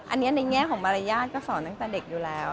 อันนี้ในแง่ของมารยาทก็สอนตั้งแต่เด็กอยู่แล้ว